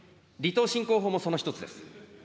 離島振興法もその一つです。